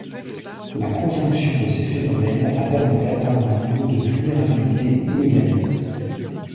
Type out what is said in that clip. La conjonction de ces phénomènes a permis d'atteindre un niveau de vulnérabilité inégalé.